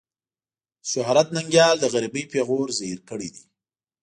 شهرت ننګيال د غريبۍ پېغور زهير کړی دی.